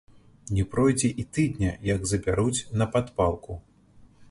Не пройдзе і тыдня як забяруць на падпалку.